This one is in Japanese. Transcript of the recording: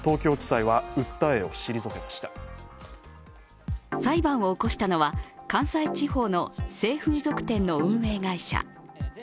裁判を起こしたのは関西地方の性風俗店の運営会社。